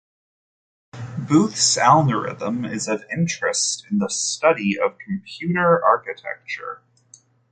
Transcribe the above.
Booth's algorithm is of interest in the study of computer architecture.